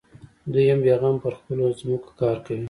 دوى هم بېغمه پر خپلو ځمکو کار کوي.